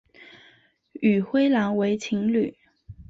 与灰狼为情侣。